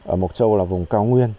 ở mộc châu là vùng cao nguyên